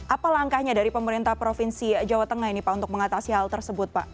apa langkahnya dari pemerintah provinsi jawa tengah ini pak untuk mengatasi hal tersebut pak